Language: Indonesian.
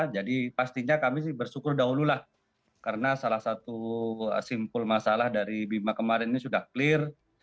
jadi pastinya kami bersyukur dahululah karena salah satu simpul masalah dari bima kemarin ini sudah clear